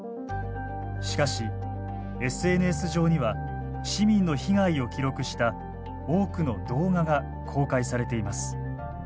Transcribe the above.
しかしＳＮＳ上には市民の被害を記録した多くの動画が公開されています。